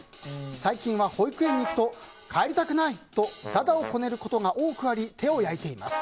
最近は保育園に行くと帰りたくない！と駄々をこねることが多くあり手を焼いています。